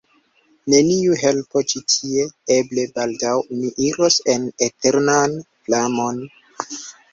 neniu helpo ĉi tie: eble baldaŭ mi iros en eternan flamon.